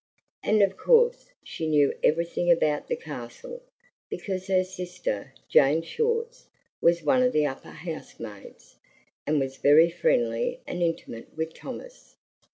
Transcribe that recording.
And of course she knew everything about the Castle, because her sister, Jane Shorts, was one of the upper housemaids, and was very friendly and intimate with Thomas.